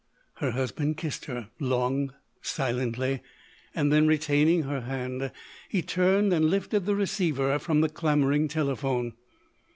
Her husband kissed her, long, silently; then, retaining her hand, he turned and lifted the receiver from the clamouring telephone.